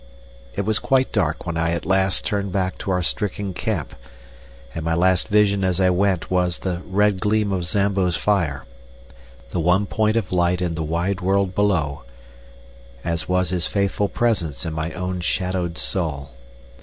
It was quite dark when I at last turned back to our stricken camp, and my last vision as I went was the red gleam of Zambo's fire, the one point of light in the wide world below, as was his faithful presence in my own shadowed soul.